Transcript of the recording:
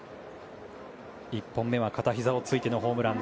１本目は片ひざをついてのホームラン。